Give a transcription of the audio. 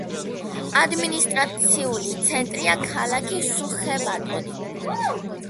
ადმინისტრაციული ცენტრია ქალაქი სუხე-ბატორი.